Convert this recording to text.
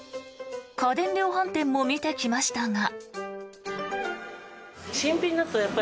家電量販店も見てきましたが。